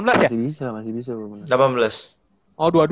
masih bisa masih bisa